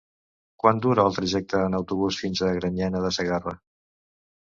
Quant dura el trajecte en autobús fins a Granyena de Segarra?